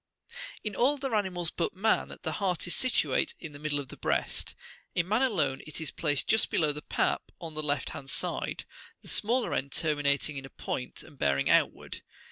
In all other animals but man the heart is situate in the middle of the breast ; in man alone it is placed just below the pap on the left hand side, the smaller end terminating in a point, and bearing outward.